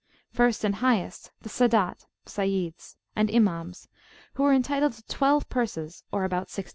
First and highest, the Sadat (Sayyids),[FN#11] and Ima[m]s, who are entitled to twelve purses, or about £60.